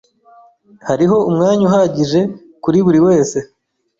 Hariho umwanya uhagije kuri buri wese.